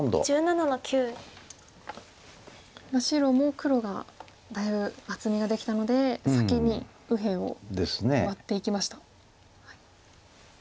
白も黒がだいぶ厚みができたので先に右辺をワッていきました。